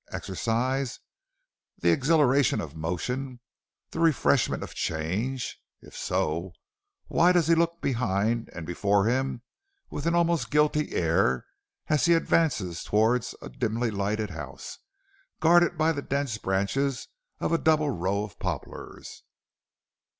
Exercise the exhilaration of motion the refreshment of change? If so, why does he look behind and before him with an almost guilty air as he advances towards a dimly lighted house, guarded by the dense branches of a double row of poplars?